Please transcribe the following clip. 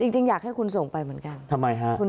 จริงอยากให้คุณส่งไปเหมือนกัน